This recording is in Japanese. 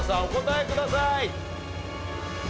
お答えください。